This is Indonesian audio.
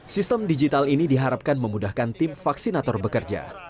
sistem digital ini diharapkan memudahkan tim vaksinator bekerja